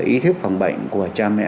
ý thức phòng bệnh của cha mẹ